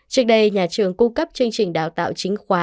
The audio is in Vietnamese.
trước đây nhà trường cung cấp chương trình đào tạo chính khóa